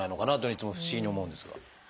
いつも不思議に思うんですが。